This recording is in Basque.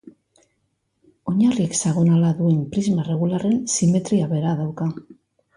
Oinarri hexagonala duen prisma erregularren simetria bera dauka.